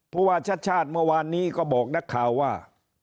เพราะว่าชัดเมื่อวานนี้ก็บอกนักข่าวว่า